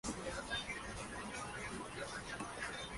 Es un homenaje a Miguel Delibes.